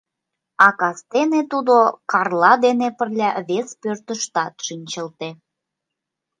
А кастене тудо Карла дене пырля вес пӧртыштат шинчылте.